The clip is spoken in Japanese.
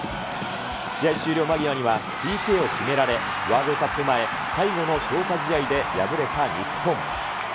試合終了間際には、ＰＫを決められ、ワールドカップ前、最後の強化試合で敗れた日本。